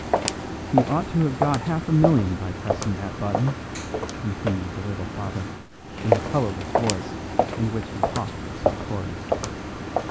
"He ought to have got half a million by pressing that button," continued the little father, in the colourless voice in which he talked of such horrors.